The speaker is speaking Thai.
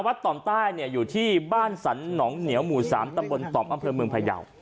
ต่อมใต้เนี่ยอยู่ที่บ้านสรรหนองเหนียวหมู่๓ตำบลต่อมอำเภอเมืองพยาว